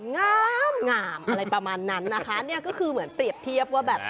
งามงามน่ะ